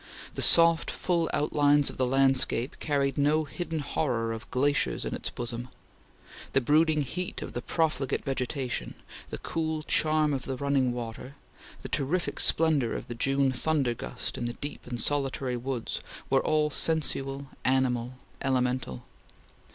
The soft, full outlines of the landscape carried no hidden horror of glaciers in its bosom. The brooding heat of the profligate vegetation; the cool charm of the running water; the terrific splendor of the June thunder gust in the deep and solitary woods, were all sensual, animal, elemental.